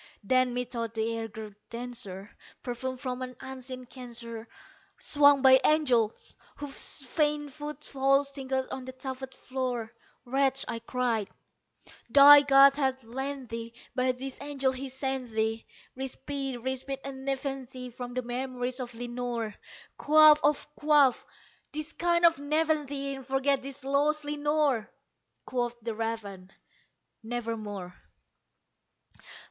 Then, methought the air grew denser, perfumed from an unseen censer Swung by angels whose faint foot falls tinkled on the tufted floor. "Wretch," I cried, "thy God hath lent thee by these angels he has sent thee Respite respite and nepenthe from the memories of Lenore! Quaff, oh quaff this kind nepenthe, and forget this lost Lenore!" Quoth the raven, "Nevermore."